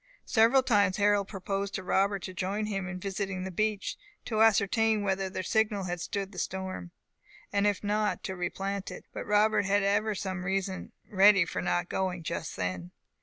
Several times Harold proposed to Robert to join him in visiting the beach, to ascertain whether their signal had stood the storm, and if not, to replant it; but Robert ever had some reason ready for not going just then.